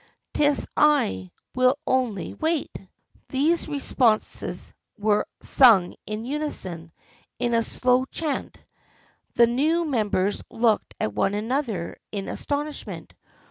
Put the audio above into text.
'Tis I— will— only— wait." These responses were sung in unison, in a slow chant. The new members looked at one another in astonishment.